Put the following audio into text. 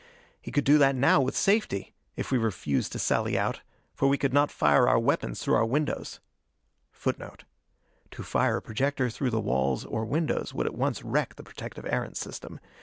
He could do that now with safety if we refused to sally out for we could not fire our weapons through our windows. [Footnote 1: To fire a projector through the walls or windows would at once wreck the protective Erentz system.